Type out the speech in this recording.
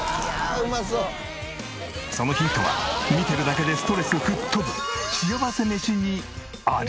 そのヒントは見てるだけでストレス吹っ飛ぶしあわせ飯にあり？